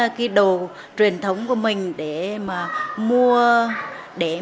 mua đồ truyền thống của mình để mà mua đồ truyền thống của mình để mà mua đồ truyền thống của mình để mà mua